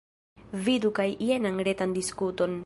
Vidu kaj jenan retan diskuton.